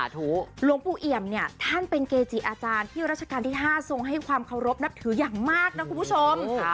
หลวงปู่เอี่ยมเนี่ยท่านเป็นเกจิอาจารย์ที่ราชการที่๕ทรงให้ความเคารพนับถืออย่างมากนะคุณผู้ชม